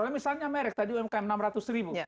kalau misalnya merek tadi umkm enam ratus ribu